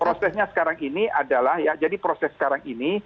prosesnya sekarang ini adalah ya jadi proses sekarang ini